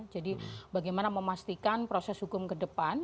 jadi bagaimana memastikan proses hukum ke depan